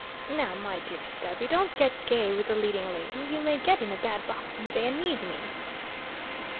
"Now, my dear Stubby, don't get gay with the leading lady; you may get in a bad box some day and need me."